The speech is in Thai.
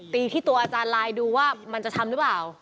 ตีที่ตัวอาจารย์ลายดูว่ามันจะทำหรือเปล่า